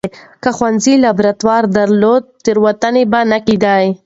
که ښوونځي لابراتوار درلود، تېروتنه به نه کېده.